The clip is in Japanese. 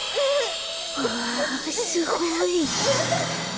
わあすごい。